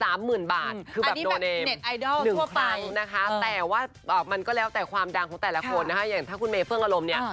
อันนี้แบบเน็ตไอดอลทั่วไปนะคะแต่ว่ามันก็แล้วแต่ความดังของแต่ละคนนะคะอย่างถ้าคุณเมเฟื่องอารมณ์เนี่ย